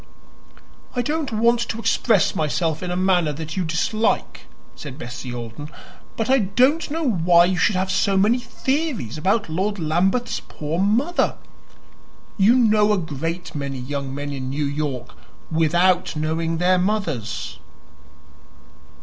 "I don't want to express myself in a manner that you dislike," said Bessie Alden; "but I don't know why you should have so many theories about Lord Lambeth's poor mother. You know a great many young men in New York without knowing their mothers."